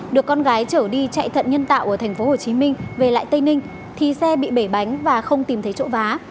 được con gái trở đi chạy thận nhân tạo ở tp hcm về lại tây ninh thì xe bị bể bánh và không tìm thấy chỗ vá